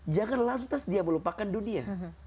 jangan lantas dia melupakan dunia